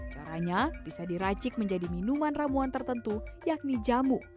caranya bisa diracik menjadi minuman ramuan tertentu yakni jamu